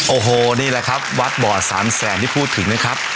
โอ้โหนี่แหละครับวัดบ่อสามแสนที่พูดถึงนะครับ